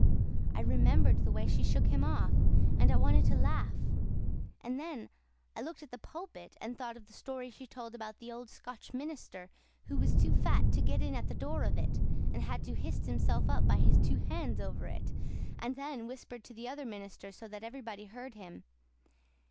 I remembered the way she took him off, and I wanted to laugh. And then I looked at the pulpit and thought of the story she told about the old Scotch minister who was too fat to get in at the door of it, and had to h'ist himself by his two hands over it, and then whispered to the other minister so that everybody heard him.